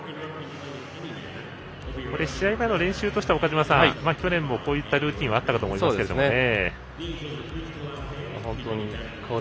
試合前の練習としては去年もこういったルーティンはあったと思いますけどね。